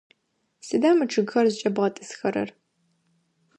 Сыда мы чъыгхэр зыкӏэбгъэтӏысхэрэр?